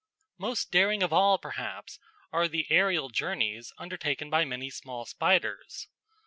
Most daring of all, perhaps, are the aerial journeys undertaken by many small spiders.